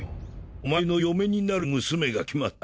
お前の嫁になる娘が決まった。